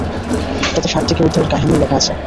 তাতে ষাঁড়টিকে উদ্ধারের কাহিনিও লেখা আছে।